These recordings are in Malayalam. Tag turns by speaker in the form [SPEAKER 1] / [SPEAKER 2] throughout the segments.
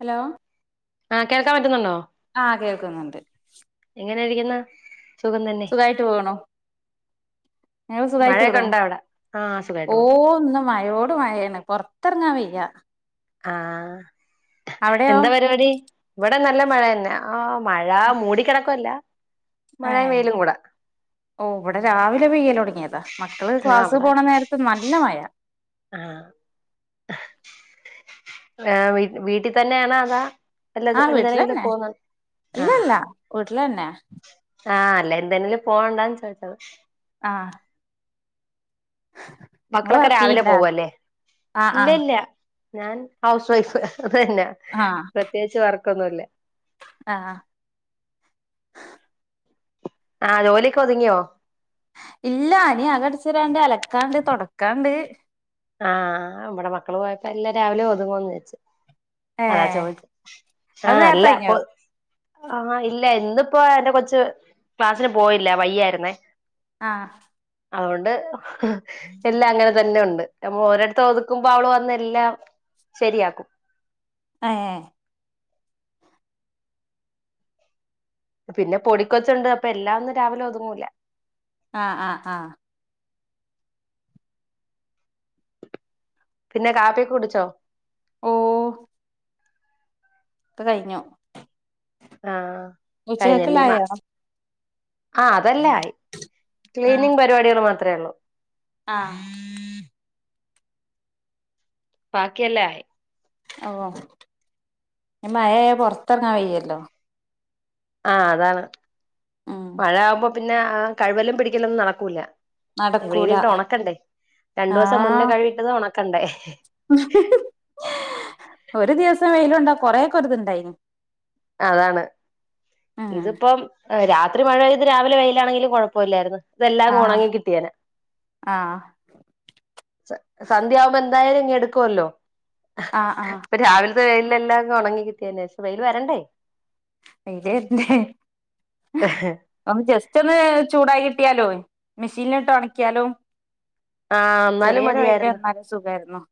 [SPEAKER 1] ഹലോ
[SPEAKER 2] ആഹ് കേൾക്കാൻ പറ്റുന്നുണ്ടോ
[SPEAKER 1] ആഹ് കേൾക്കുന്നുണ്ട്
[SPEAKER 2] എങ്ങനെയിരിക്കുന്നു
[SPEAKER 1] സുഖയിട്ട് പോകുന്നു ഞങ്ങള് സുഖായിട്ട്
[SPEAKER 2] മഴയൊക്കെ ഉണ്ടോ അവിടെ ആഹ് സുഖായിട്ട് പോണു
[SPEAKER 1] ഓഹ് ഇന്ന് മയോട് മയ പൊറത്തിറങ്ങാൻ വെയ്യ
[SPEAKER 2] ആഹ്
[SPEAKER 1] അവിടെയോ
[SPEAKER 2] എന്താ പരിപാടി ഇവിടെ നല്ല മഴ തന്നെ ആഹ് മഴ മൂടിക്കിടക്കുല്ല
[SPEAKER 1] ഏഹ് ഓഹ് ഇവിടെ രാവിലെ പെയ്യല് തുടങ്ങിയതാ മക്കള്
[SPEAKER 2] ആഹ്
[SPEAKER 1] ക്ലാസ്
[SPEAKER 2] അവിടെ
[SPEAKER 1] പോണ നേരത്തെ നല്ല മഴ
[SPEAKER 2] ആഹ് ഏഹ് വീട്ടിൽ തന്നെ ആണോ അതാ അല്ല
[SPEAKER 1] ആഹ്
[SPEAKER 2] എന്തിനെങ്കിലും
[SPEAKER 1] വീട്ടിലന്നെ
[SPEAKER 2] പോന്ന ആഹ്
[SPEAKER 1] ഇല്ലല്ല വീട്ടിലന്നെ
[SPEAKER 2] ആഹ് അല്ല എന്തേലും പോവണ്ടാന്ന് ചോദിച്ചത്
[SPEAKER 1] ആഹ് ആഹ്
[SPEAKER 2] മക്കളൊക്കെ രാവിലെ പോവല്ലേ
[SPEAKER 1] ആഹ്
[SPEAKER 2] ഇല്ല
[SPEAKER 1] ആഹ്
[SPEAKER 2] ഇല്ല ഞാൻ ഹൗസ് വൈഫ് അത് തന്നെ
[SPEAKER 1] ആഹ്
[SPEAKER 2] പ്രത്യകിച്ച് വർക്കൊന്നുംല്ല
[SPEAKER 1] ആഹ്
[SPEAKER 2] ആഹ് ജോലിയൊക്ക് ഒതുങ്ങിയോ
[SPEAKER 1] ഇല്ല ഇനി അകം അടിച്ചിരാണ്ട് അലക്കാണ്ട് തൊടക്കാണ്ട്
[SPEAKER 2] ആഹ് ഇവിടെ മക്കള് പോയപ്പോ എല്ലാം രാവിലെയും ഒതുങ്ങോന്ന് വെച്ച് ആഹ്
[SPEAKER 1] ഏഹ്
[SPEAKER 2] ചോദിച്ചു
[SPEAKER 1] അത്
[SPEAKER 2] ആഹ് അല്ല
[SPEAKER 1] നേരത്തെ കഴിഞ്ഞോ
[SPEAKER 2] അപ്പൊ ആഹ് ഇല്ല ഇന്നിപ്പോ എന്റെ കൊച്ച് ക്ലാസ്സിന് പോയില്ല വയ്യാരുന്നേ
[SPEAKER 1] ആഹ്
[SPEAKER 2] അതൊണ്ട് എല്ലാം അങ്ങനെ തന്നെ ഒണ്ട് നമ്മ ഓരോത്തും ഒതുക്കുമ്പോ അവള് വന്ന് എല്ലാം ശരിയാക്കും
[SPEAKER 1] ഏഹ്
[SPEAKER 2] പിന്നെ പൊടിക്കൊച്ചുണ്ട് അപ്പൊ എല്ലാം ഒന്നും രാവിലെ ഒതുങ്ങൂലാ
[SPEAKER 1] ആഹ് ആഹ് ആഹ്
[SPEAKER 2] പിന്നെ കാപ്പിക്കെ കുടിച്ചോ
[SPEAKER 1] ഓഹ് ഒക്കെ കഴിഞ്ഞു
[SPEAKER 2] ആഹ് കഴിഞ്ഞല്ലേ മാ
[SPEAKER 1] ഉച്ചക്കക്കുള്ളായോ
[SPEAKER 2] ആഹ് അതല്ല
[SPEAKER 1] ആഹ്
[SPEAKER 2] ക്ലീനിങ് പരിപാടികൾ മാത്രേ ഉള്ളൂ
[SPEAKER 1] ആഹ്
[SPEAKER 2] ബാക്കിയല്ല ആയി
[SPEAKER 1] ഓഹ് മഴ ആയ പുറത്തിറങ്ങാൻ വയ്യല്ലോ
[SPEAKER 2] ആഹ് അതാണ്
[SPEAKER 1] ഉം
[SPEAKER 2] മഴ ആകുമ്പോ പിന്നെ കഴികല്ലും പിടിക്കലൊന്നും നടക്കൂല്ല
[SPEAKER 1] നടക്കൂല
[SPEAKER 2] വെയിലട്ട് ഉണക്കണ്ടേ രണ്ടു ദിവസം മുന്നേ
[SPEAKER 1] ആഹ്
[SPEAKER 2] കഴിട്ടത് ഉണക്കണ്ടേ
[SPEAKER 1] ഒരു ദിവസം വെയിലും ണ്ട കൊറെക്കെ ഇത്ണ്ടായിന്
[SPEAKER 2] അതാണ്
[SPEAKER 1] ഉം
[SPEAKER 2] ഇതിപ്പം രാത്രി മഴ പെയ്ത് രാവിലെ വെയിയിലാണെങ്കിലും കുഴപ്പമ ഇല്ലായിരുന്നു ഇതെല്ലാം
[SPEAKER 1] ആഹ്
[SPEAKER 2] ഉണങ്ങി കിട്ടിയേന
[SPEAKER 1] ആഹ്
[SPEAKER 2] സന്ധ്യയാവുമ്പോ എന്തായാലും ഇ എടുക്കുവല്ലോ
[SPEAKER 1] ആഹ് ആഹ്
[SPEAKER 2] ഇ രാവിലെ അത് അൽ എല്ലാം ഉണങ്ങി കിട്ടിയതന്ന ശം അയിൽ വരണ്ടേ
[SPEAKER 1] വെയിൽ വരണ്ടേ
[SPEAKER 2] ആഹ
[SPEAKER 1] ഒന്ന് ജസ്റ്റ് ഒന്ന് ചൂടായി കിട്ടിയാലോ മെഷീനിലോട്ട് ഒണക്കിയാലോ
[SPEAKER 2] ആഹ് എന്നാലും
[SPEAKER 1] ചെറിയൊരു വഴിയില്
[SPEAKER 2] മതിയായിരുന്നു
[SPEAKER 1] വന്നാല സുഖമായിരുന്നു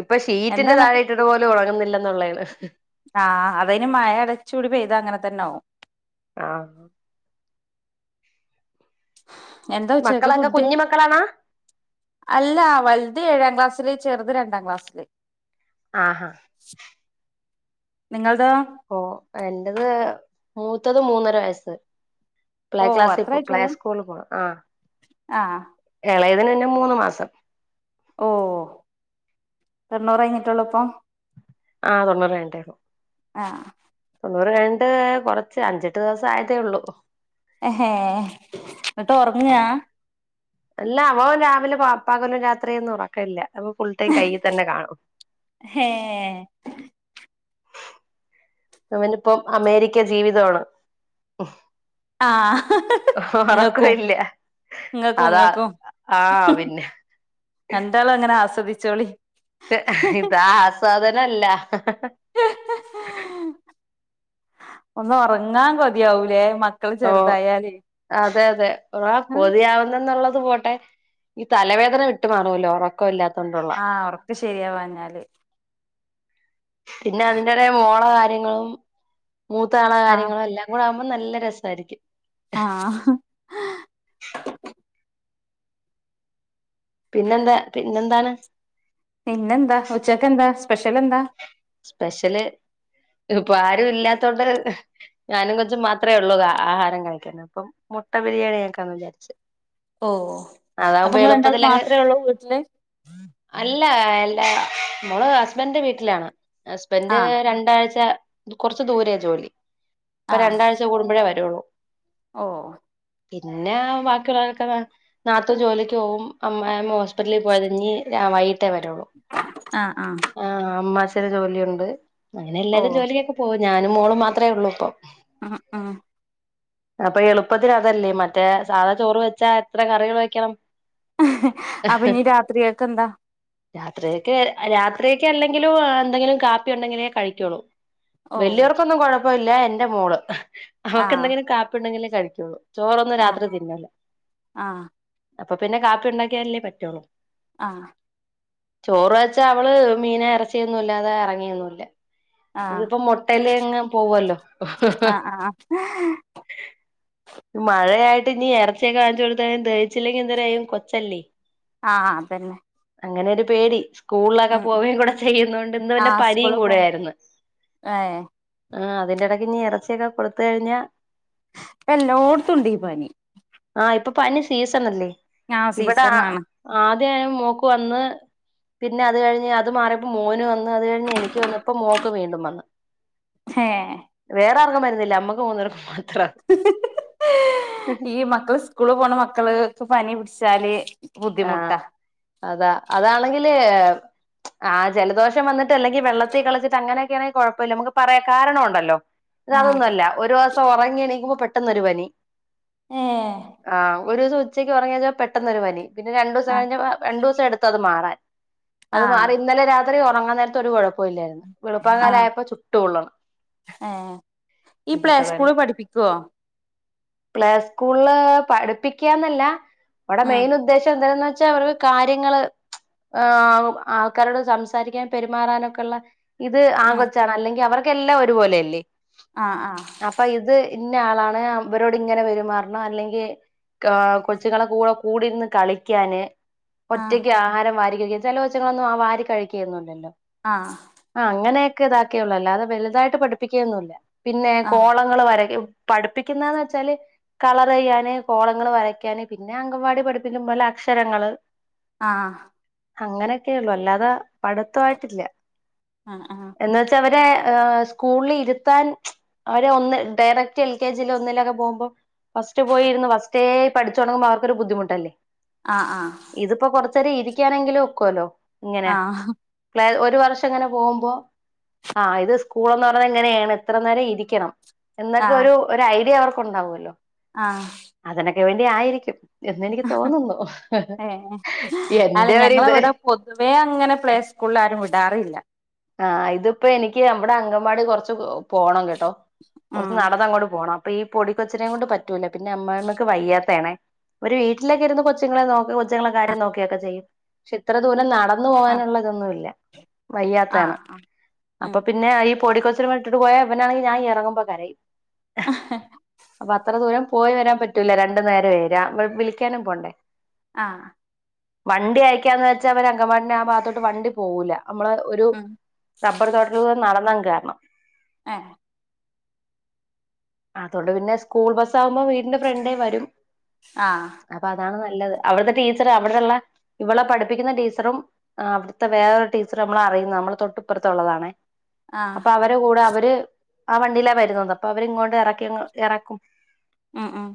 [SPEAKER 2] ഇപ്പൊ ഷീറ്റിന്റെ
[SPEAKER 1] എന്താന്നിട്ട്
[SPEAKER 2] താഴെ ഇട്ടിതുപലും ഉണങ്ങുന്നില്ലെന്നുള്ളോണ്
[SPEAKER 1] ആഹ് അതതിന് മഴ അടച്ചൂടി പെയ്തത് അങ്ങനെ തന്നെ ആവും
[SPEAKER 2] ആഹ്
[SPEAKER 1] എന്താ ഉച്ചക്ക
[SPEAKER 2] മക്കളൊക്കെ
[SPEAKER 1] ഫുഡ്
[SPEAKER 2] കുഞ്ഞു മക്കളാണാ
[SPEAKER 1] അല്ല വലുത് ഏഴാം ക്ലാസ്സിലേ ചെറു രണ്ടാം ക്ലാസ്സിലേ
[SPEAKER 2] ആഹാ
[SPEAKER 1] നിങ്ങളതോ
[SPEAKER 2] ഓ എന്റത് മൂത്തത് മൂന്നര വയസ്സ് പ്ലേ
[SPEAKER 1] ഓ
[SPEAKER 2] ക്ലാസ്സിൽ
[SPEAKER 1] അത്രേ
[SPEAKER 2] പോ പ്ലേ
[SPEAKER 1] ആയിട്ടുള്ളൂ
[SPEAKER 2] സ്കൂളിൽ പോക ആ
[SPEAKER 1] ആഹ്
[SPEAKER 2] ഇളയതിന് പിന്നെ മൂന്ന് മാസം
[SPEAKER 1] ഓ എണ്ണ്ണൂറ് കഴിഞ്ഞിട്ടള്ളൂ ഇപ്പൊ
[SPEAKER 2] ആ തൊണ്ണൂറ് രണ്ടേക്കോ
[SPEAKER 1] ആ
[SPEAKER 2] തൊണ്ണൂറ് കഴിഞ്ഞട്ട് കുറച്ച് അഞ്ചെട്ട് ദിവസം ആയതേ ഉള്ളൂ
[SPEAKER 1] ഹേ എന്നിട്ട് ഉറങ്ങാ
[SPEAKER 2] അല്ല അവൻ രാവിലെ പപ്പാകലും രാത്രിയൊന്നും ഉറക്ക ഇല്ല അപ്പൊ ഫുൾ ടൈം കയ്യിൽ തന്നെ കാണും
[SPEAKER 1] ഹെ
[SPEAKER 2] അവനിപ്പോം അമേരിക്ക ജീവിതമാണ്
[SPEAKER 1] ആ
[SPEAKER 2] ഉറക്കം
[SPEAKER 1] ഇങ്ങക്കും
[SPEAKER 2] ഇല്ല
[SPEAKER 1] ഇങ്ങക്കും
[SPEAKER 2] അതാ
[SPEAKER 1] ഇങ്ങക്കും
[SPEAKER 2] ആഹ പിന്നെ
[SPEAKER 1] എന്താളും അങ്ങനെ ആസ്വദിച്ചോളി
[SPEAKER 2] ഇതാ ആസ്വാദനല്ല
[SPEAKER 1] ഒന്ന് ഉറങ്ങാൻ കതിയാവൂലേ മ
[SPEAKER 2] ഓ അതെ അതെ ഒ കൊതിയാവുന്നെന്നുള്ളത് പോട്ടെ ഈ തലവേദന വിട്ടു മാറുമല്ലോ ഉറക്കമ ഇല്ലാത്തോണ്ടള്ളൂ
[SPEAKER 1] ആഹ ഉറക്ക ശെരിയാവാഞ്ഞാല്
[SPEAKER 2] പിന്നെ അതിന്റേടെ മോള കാര്യങ്ങളും മൂത്താള
[SPEAKER 1] ആ
[SPEAKER 2] കാര്യങ്ങളും എല്ലാം കൂടെ ആകുമ്പോൾ നല്ല രസമായിരിക്കും
[SPEAKER 1] ആഹ്
[SPEAKER 2] പിന്നെന്താ പിന്നെ എന്താണ്
[SPEAKER 1] നിന്നെന്താ ഉച്ചക്ക് എന്താ സ്പെഷ്യൽ എന്താ
[SPEAKER 2] സ്പെഷ്യല് ഇപ്പൊ ആരും ഇല്ലാത്തോണ്ട് ഞാനും കൊച്ചം മാത്രമേ ഉള്ളൂ ആഹാരം കഴിക്കുന്ന അപ്പം മുട്ട ബിരിയാണി ക്കാന്ന് വിചാരിച്ചു
[SPEAKER 1] ഓ അപ്പൊങ്ങ രണ്ടാളും
[SPEAKER 2] അങ്ങ്
[SPEAKER 1] മാത്രമേ ഉള്ളൂ വീട്ടില്
[SPEAKER 2] അല്ല എല്ല നമ്മള് ഹസ്ബൻഡന്റെ വീട്ടിലാണ് ഹസ്ബന്ഡ്
[SPEAKER 1] ആ
[SPEAKER 2] രണ്ടാഴ്ച കൊറച്ച ദൂരേ ജോലി ഇപ്പ രണ്ടാഴ്ച കൂടുമ്പോഴേ വരുള്ളൂ
[SPEAKER 1] ഓഹ്
[SPEAKER 2] പിന്നെ ബാക്കിയുള്ളക്കെ നാത്തും ജോലിക്ക് പോവും അമ്മ അമ്മ ഹോസ്പിറ്റലിൽ പോയത്തിഞ്ഞ് വൈകട്ടേ വരുകയുള്ളൂ
[SPEAKER 1] ആഹ് ആഹ
[SPEAKER 2] ആഹ് അ്ച്ചഛന ജോലിയുണ്ട് അങ്ങനെ
[SPEAKER 1] ഓ
[SPEAKER 2] എല്ലാരും ജോലിക്കൊക്കെ പോവും ഞാനും മോളും മാത്രമേ ഉള്ളൂ ഇപ്പം
[SPEAKER 1] ആഹ് ആഹ്
[SPEAKER 2] അപ്പൊ എളുപ്പത്തിന് അതല്ലേ മറ്റേ സാധാ ചോറ് വെച്ചാ എത്ര കറികൾ വെക്കണം
[SPEAKER 1] അപ്പൊ നീ രാത്രി കേക്കെന്താ
[SPEAKER 2] രാത്രിയക്ക് രാത്രിയക്ക് അല്ലെങ്കിലും എന്തെങ്കിലും കാപ്പി ഉണ്ടെങ്കിലേ കഴിക്കുള്ളൂ
[SPEAKER 1] ഓ
[SPEAKER 2] വലിയവർക്കൊന്നും കൊഴപ്പ ഇല്ല എന്റെ മോള്
[SPEAKER 1] ആഹ്
[SPEAKER 2] അവക്ക്എന്തെങ്കിലും കാപ്പി ഉണ്ടെങ്കിലേ കഴിക്കുള്ളൂ ചോറൊന്നും
[SPEAKER 1] ആഹ്
[SPEAKER 2] രാത്രി തിന്നുല്ല
[SPEAKER 1] ആഹ്
[SPEAKER 2] അപ്പൊ പിന്നെ കാപ്പി ഉണ്ടാക്കിയല്ലേ പറ്റുള്ളൂ
[SPEAKER 1] ആഹ
[SPEAKER 2] ചോറ് വെച്ചാ അവള് മീന ഇറച്ചിയൊന്നുമല്ലാതെ ഇറങ്ങിയൊന്നുംല്ല
[SPEAKER 1] ആഹ്
[SPEAKER 2] ഇതിപ്പോ മുട്ടൽ യങ്ങ്പോവല്ലോ
[SPEAKER 1] ആഹ് ആഹ്
[SPEAKER 2] മഴയായിട്ട് ഇനി ഇറച്ചിയൊക്കെവാങ്ങിച്ചു കൊടുത്തു കയിഞ്ഞാദഹച്ചില്ലെങ്കി എന്തൊര ചെയ്യും കൊച്ചല്ലേ
[SPEAKER 1] ആഹ അതന്നെ
[SPEAKER 2] അങ്ങനെഒരു പേടി സ്കൂളിലൊക്കെ
[SPEAKER 1] ഉം
[SPEAKER 2] പോവേയും കൂടെ ചെയ്യുന്നതു ഇന്ന് പിന്നെ
[SPEAKER 1] ആഹ്
[SPEAKER 2] പനിയും
[SPEAKER 1] സ്കൂള് പോ
[SPEAKER 2] കൂടെ ആായിരുന്നു
[SPEAKER 1] ഏഹ്
[SPEAKER 2] ആഹ് അതിന്റെടയ്ക്ക് ഇനി ഇറച്ചിയൊക്കെ കൊടുത്തു കഴിഞ്ഞ
[SPEAKER 1] ഇപ്പ എല്ലോടത്തും ഉണ്ട് ഈപനി
[SPEAKER 2] ആഹ ഇപ്പൊ പനി സീസൺ അല്ലേ
[SPEAKER 1] ആ
[SPEAKER 2] ഇവിടെ
[SPEAKER 1] സീസണാണ്
[SPEAKER 2] ആദ്യ മോക്ക് വന്ന് പിന്നെ അത് കഴിഞ്ഞ് അത് മാറിയപ്പോ മോന് വന്ന് അ ത്കഴിഞ്ഞഞ് എനിക്ക് വന്ന് ഇപ്പോ മോഖക്ക് വീണ്ടും വന്നു
[SPEAKER 1] ഹേ
[SPEAKER 2] വേറെ ആർക്കും മരുന്നില്ല അമ്മക്ക് മൂന്ന് പേർക്ക് മാത്രം
[SPEAKER 1] ഈ മക്കള് സ്കൂള് പോണ മക്കള് ക്ക്പനി പിടിച്ചാല്
[SPEAKER 2] ആഹ
[SPEAKER 1] ബുദ്ധിമുട്ടാ
[SPEAKER 2] അതാ അതാണെങ്കില് ആഹ ജലദോഷം വന്നിട്ട് അല്ലെങ്കിൽ വെള്ളത്തിൽ കളിച്ചിട്ട് അങ്ങനൊക്കൊണെങ്കിൽ കുഴപ്പമില്ല നമുക്ക് പറയാൻ കാരണ ഉണ്ടല്ലോ ഇ ത്
[SPEAKER 1] ആഹ്
[SPEAKER 2] അതൊന്നുമല്ല ഒരു വസം ഉറങ്ങി എണിക്കുമ്പോ പെട്ടന്ന് ഒരു പനി
[SPEAKER 1] ഏഹ്
[SPEAKER 2] ആഹ ഒരു ദിവസം ഉച്ചക്കുറങ്ങിയപ്പം പെട്ടന്നൊരു പനി പിന്നെ രണ്ട ദിവസം
[SPEAKER 1] ആഹ്
[SPEAKER 2] കഴിഞ്ഞപ്പംരണ്ട് ദിവസംടുത്ത അത് മാറൻ അത്
[SPEAKER 1] ആഹ്
[SPEAKER 2] മാറി ഇന്നലെ രാത്രി ഉറങ്ങാൻ നേരത്ത്ഒരു കുഴപ്പഇില്ലായിരുന്നു വെളുപ്പാൻകാല ആയപ്പോ ചുട്ടുപൊള്ളുന്നു
[SPEAKER 1] ഏ ഈ പ്ലേ സ്കൂള് പഠിപ്പിക്കുവോ
[SPEAKER 2] പ്ലേ സ്കൂളില് പഠിപ്പിക്കാന്നല്ല അവിടെ
[SPEAKER 1] ഉം
[SPEAKER 2] മെയിൻ ഉ ചന്തംന്ന് വെച്ചാ അവർ ടെ കാര്യങ്ങള് ആ് ആൾക്കാരോട് സംസാരിക്കാൻ പെരുമാറാനൊക്കെള്ള ഇത് ആ
[SPEAKER 1] ഉം
[SPEAKER 2] കൊച്ചാണ് അല്ലെങ്കിൽ അവർക്കെല്ലാം ഒരുപോലെയല്ലേ
[SPEAKER 1] ആ ആ
[SPEAKER 2] അപ്പൊ ഇത് ഇന്ന ആളാണ് അവരോട് ഇങ്ങനെ വെരുമാറണം അല്ലെങ്കിൽ ക കൊച്ചുങ്ങളെ കൂടെ കൂടിരുന്ന് കളി കാന്
[SPEAKER 1] ആഹ്
[SPEAKER 2] ഒറ്റയ്ക്ക് ആഹാരം വാരി കഴിക്കാൻ ചില കൊച്ചുങ്ങളൊന്നും ആ വാരി കഴിക്കുകൊന്നുംല്ലല്ലോ
[SPEAKER 1] ആ
[SPEAKER 2] ആ അങ്ങനെയൊക്കെ ഇതാക്കിയള്ളൂ അല്ലാതെ വലുതായിട്ട് പഠിപ്പിക്കുകൊന്നല്ല പിന്നെ
[SPEAKER 1] ആഹ്
[SPEAKER 2] കോളങ്ങൾ വര പഠിപ്പിക്കുന്നന്ന് വെച്ചാല് കളർ ചെയ്യാന് കോളങ്ങള്വരയ്ക്കാന് പിന്നെ അങ്കവാടി പഠിപ്പിറെ പോലെ അക്ഷരങ്ങള്
[SPEAKER 1] ആഹ
[SPEAKER 2] അങ്ങനെയൊക്കെയ ഉള്ളു അല്ലാതെ പഠിത്ത ആയിട്ടില്ല
[SPEAKER 1] അ ആഹ്
[SPEAKER 2] എന്നു വെച്ചാ അവരെ സ്കൂളിൽ ഇരുത്താൻ അവര് ഒന്ന് ഡയറക്ട് എൽ കെ ജി ഒന്നിലൊക്കെ പോകുമ്പോൾ ഫസ്റ്റ് പോയിരുന്നു ഫസ്റ്റേ പഠിച്ചുടങ്ങുമ്പം അവർക്കൊ ബദ്ധിുട്ടല്ലേ
[SPEAKER 1] ആഹ് ആഹ്
[SPEAKER 2] ഇത്പ്പോ കൊറച്ചേരം ഇരിക്കാനെങ്കിലും ഒക്കുവല്ലോ ഇങ്ങനെ
[SPEAKER 1] ആഹ്
[SPEAKER 2] പ്ലേഒരു വർഷം ഇങ്ങനെ പോവുമ്പോ ആ ഇത് ഒരുസ്കൂളെന്ന് പറഞ്ഞ ഇങ്ങനേണ് ഇത്ര നേരം ഇരിക്കണം
[SPEAKER 1] ആഹ്
[SPEAKER 2] എന്നൊക്കെ
[SPEAKER 1] ആഹ്
[SPEAKER 2] ഒരു ഒരു ഐഡിയ അവർക്കുണ്ടാവുമല്ലോ
[SPEAKER 1] ആഹ്
[SPEAKER 2] അതിനൊക്കെ വേണ്ടി ആയിരിക്കും എന്നെനിക്ക് തോന്നുന്നു
[SPEAKER 1] ഏഹ് അല്ല
[SPEAKER 2] എന്റെ ഒരിത്
[SPEAKER 1] ഞങ്ങളവടെ പൊതുവേ അങ്ങനെ പ്ലേസ്ക്കൂൾലാരും വിടാറില്ല.
[SPEAKER 2] ആഹ് ഇതിപ്പോ എനിക്ക് അ വടെ അങ്കംവാടി കൊർച്ച് പ് പോണം കെട്ടോ
[SPEAKER 1] ഉം
[SPEAKER 2] കൊർച്ച് നടന്നങ്ങോട്ട് പോണം. പ്പ ഈ പൊടി കൊച്ചിനേം കൊണ്ട് പറ്റൂല പിന്നെ അമ്മായിമ്മക്ക് വയ്യാത്തെയാണെ ഒര് വീട്ടിലൊക്കെ ഇരുന്ന് കൊച്ചുങ്ങളെ നോക് കൊച്ചുങ്ങളെ കാര്യം നോക്കെയൊക്കെ ചെയ്യും ക്ഷെ ഇത്ര ദൂരം നടന്നു
[SPEAKER 1] ആഹ്
[SPEAKER 2] പോവാനുള്ള ഇതൊന്നുവില്ല. വയ്യാത്തെയാണ്
[SPEAKER 1] ആഹ് ഉം
[SPEAKER 2] അപ്പൊ പിന്നെ ഈ പൊടിക്കൊച്ചിനെ വടിട്ട് പോയാ വനാണെങ്കി ഞാ എറങ്ങുമ്പ കരയും. അപ്പത്ര ദൂരം പോയി വരാൻ പറ്റൂല രണ്ടു നേരുവേ രാ വ് വിളിക്ക്യാനും പോണ്ടേ.
[SPEAKER 1] ആഹ്.
[SPEAKER 2] വണ്ടിയയക്ക്യാന്ന് വെച്ചാ അവര് അങ്കവാടിന്റെ ആ ഭാഗത്തോട്ട് വണ്ടി പോവൂല്ല മ്മള് ഒരു.
[SPEAKER 1] ഉം
[SPEAKER 2] റബ്ബർ തോട്ടത്തിലൂടെ നടന്നങ് കേറണം.
[SPEAKER 1] ഏഹ്.
[SPEAKER 2] അതോണ്ട് പിന്നെ സ്കൂൾ ബസ്സാവുമ്പ വീടിന്റെ ഫ്രണ്ടേ വരും.
[SPEAKER 1] ആഹ്.
[SPEAKER 2] അപ്പതാണ് നല്ലത് അവിട്ത്തെ ടീച്ചറ് അവിടെള്ള ഇവളെ പഠിപ്പിക്ക്യുന്ന ടീച്ചറും. ആഹ് അവിട്ത്തെ വേറൊരു ടീച്ചറ് നമ്മളെ അറിയുന്ന അമ്മള് തൊട്ടുപ്പർത്തൊള്ളതാണേ
[SPEAKER 1] ആഹ്
[SPEAKER 2] അപ്പവര് ൻ്റ കൂട അവര് ആ വണ്ടീലാ വരുന്നത് അപ്പൊ അവരിങ്ങോട്ട് എറക്കിയങ് ഏറക്കും.
[SPEAKER 1] ഉം ഉം.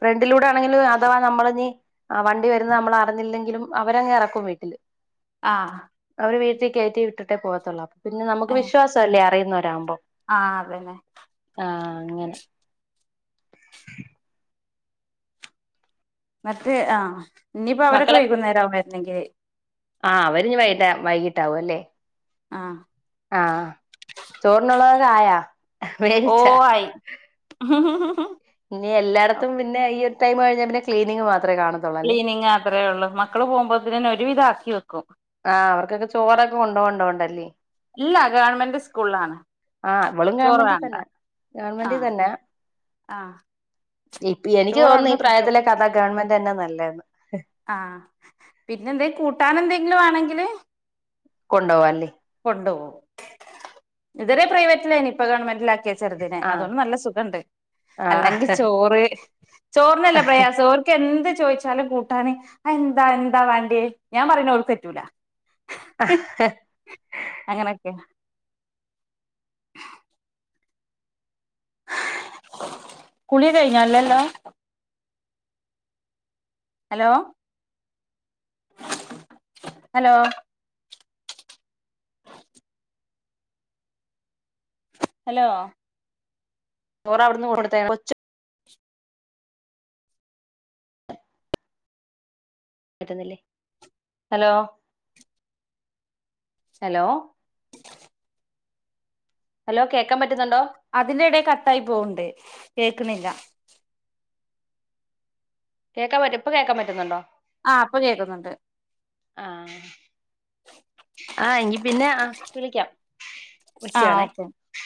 [SPEAKER 2] ഫ്രണ്ടിലൂടെ ആണെങ്കിലും അഥവാ നമ്മള്ഞ് ആഹ് വണ്ടി വരുന്നത് നമ്മളറിഞ്ഞില്ലെങ്കിലും അവരങ്ങെറക്കും വീട്ടില്.
[SPEAKER 1] ആഹ്.
[SPEAKER 2] അവര് വീട്ടീ കേറ്റി വിട്ടിട്ടേ പോകത്തുള്ളൂ അപ്പൊ പിന്നെ നമുക്ക്
[SPEAKER 1] ഏഹ്
[SPEAKER 2] വിശ്വാസവല്ലേ അറിയുന്നവരാകുമ്പൊ.
[SPEAKER 1] ആഹ് അതന്നെ.
[SPEAKER 2] ആഹ് അങ്ങനെ.
[SPEAKER 1] മറ്റേ ആഹ് ഇഞ്ഞിപ്പോ അവരൊക്കെ
[SPEAKER 2] മക്കളെ
[SPEAKER 1] വൈകുന്നേരാവും വെര്നെങ്കില്.
[SPEAKER 2] ആഹ് അവരിഞ്ഞ് വൈന്നേ വൈകിട്ടാവു അല്ലേ.
[SPEAKER 1] ആഹ്.
[SPEAKER 2] ആഹ് ചോറ്നുള്ളതൊക്കായ.
[SPEAKER 1] ഓഹ് ആയി.
[SPEAKER 2] ഇനി എല്ലായിടത്തും പിന്ന ഈ ഒരു ടൈമ് കഴിഞ്ഞാ പിന്നെ ക്ലീനിങ് മാത്രേ കാണത്
[SPEAKER 1] ക്ലീനിങാത്രേള്ളൂ മക്കള് പോകുമ്പോത്തിനെന്നെ ഒരുവിധാക്കി വെക്കും.
[SPEAKER 2] ആഹ് അവർക്കൊക്കെ ചോറൊക്കെ കൊണ്ടോവണ്ടോണ്ടല്ലേ.
[SPEAKER 1] ഇല്ല ഗവൺമെന്റ് സ്കൂൾലാണ്.
[SPEAKER 2] ആഹ് വളും ഗവൺമെന്റി തന്നാ ഗവണ്മെന്റി
[SPEAKER 1] ആഹ്
[SPEAKER 2] തന്നാ.
[SPEAKER 1] ആഹ്.
[SPEAKER 2] ഇപ്പി എനിക്ക്
[SPEAKER 1] ചോറ്
[SPEAKER 2] തോന്നുന്നു ഈ
[SPEAKER 1] അവിടുന്ന് കിട്ടും
[SPEAKER 2] പ്രായത്തിലൊകെ അതാ ഗവൺമെന്റെന്നാ നല്ലേന്ന്.
[SPEAKER 1] ആഹ് പിന്നെന്തേം കൂട്ടാനെന്തെങ്കിലു വാണങ്കില്.
[SPEAKER 2] കൊണ്ടോവാല്ലെ.
[SPEAKER 1] കൊണ്ട് പോവു ഇതരെ പ്രൈവറ്റിലേനി പ്പ ഗവൺമെന്റിലാക്കി ചെറ്തിനെ
[SPEAKER 2] ആഹ്
[SPEAKER 1] അതോണ്ട് നല്ല സുഖണ്ട്
[SPEAKER 2] ആഹ്
[SPEAKER 1] അല്ലെങ്കി ചോറ് ചോറ്നല്ല പ്രയാസം ഓര് ക്കെന്ത് ചോയ്ച്ചാലും കൂട്ടാന് അ എന്താ എന്താ വാണ്ടിയേ ഞാ പറിണ ഓൽക്കറ്റൂല. അങ്ങനെക്കെയ. കുള്യൊ കയ്ഞ്ഞോ ഇല്ലല്ലോ. ഹലോ. ഹലോ. ഹലോ.
[SPEAKER 2] ചോറവിട്ന്ന് കൊട്ത്തേ കൊച്ച് പറ്റുന്നില്ലേ ഹലോ. ഹലോ. ഹലോ കേക്കാ പറ്റുന്നുണ്ടോ.
[SPEAKER 1] അതിലിടെ കട്ടായി പോവ്ണ്ട് കേക്ക്ണില്ല.
[SPEAKER 2] കേക്കാൻ പറ്റും ഇപ്പ കേൾക്കാൻ പറ്റുന്നുണ്ടോ
[SPEAKER 1] ആഹ് ഇപ്പൊ കേക്കുന്നുണ്ട്
[SPEAKER 2] ആഹ് ആഹ് എങ്കി പിന്നെ ആഹ് വിളിക്കാം
[SPEAKER 1] ആ
[SPEAKER 2] വക്കുവാണേ
[SPEAKER 1] ഓക്കെ